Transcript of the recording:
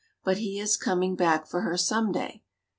but he is coming back for her some day.